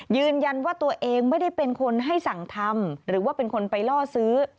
ยืนยันว่าตัวเองไม่ได้เป็นคนให้สั่งทำหรือว่าเป็นคนไปล่อซื้อ